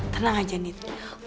tenang aja nita